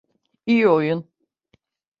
İyi oyun.